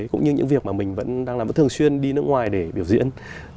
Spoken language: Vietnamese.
cũng như những việc mà mình vẫn đang làm vẫn thường xuyên đi nước ngoài để biểu diễn